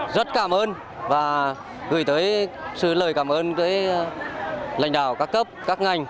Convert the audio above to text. rất cảm ơn và gửi tới sự lời cảm ơn tới lãnh đạo các cấp các ngành